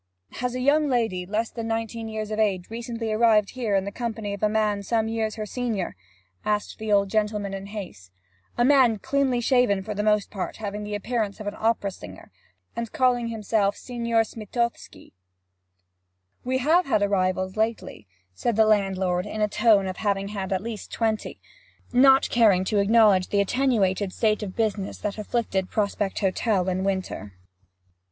'Has a young lady, less than nineteen years of age, recently arrived here in the company of a man some years her senior?' asked the old gentleman, in haste. 'A man cleanly shaven for the most part, having the appearance of an opera singer, and calling himself Signor Smithozzi?' 'We have had arrivals lately,' said the landlord, in the tone of having had twenty at least not caring to acknowledge the attenuated state of business that afflicted Prospect Hotel in winter.